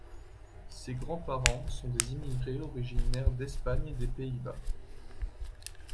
Ses grands-parents sont des immigrés originaires d'Espagne et des Pays-Bas.